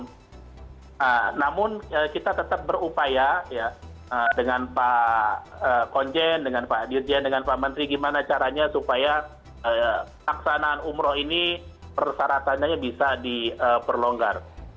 nah namun kita tetap berupaya dengan pak konjen dengan pak dirjen dengan pak menteri gimana caranya supaya paksanaan umroh ini persyaratannya bisa diperlonggar